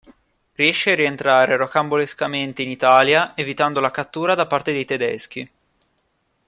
Riesce a rientrare rocambolescamente in Italia, evitando la cattura da parte dei tedeschi.